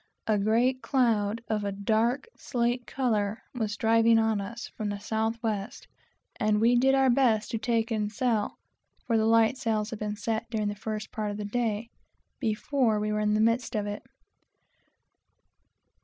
A great cloud of a dark slate color was driving on us from the south west; and we did our best to take in sail, (for the light sails had been set during the first part of the day,) before we were in the midst of it.